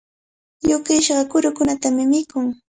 Yukishqa kurukunatami mikun.